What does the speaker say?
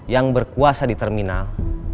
yang berkuasa di terminal